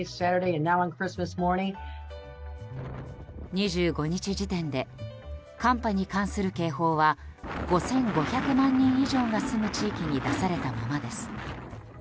２５日時点で寒波に関する警報は５５００万人以上が住む地域に出されたままです。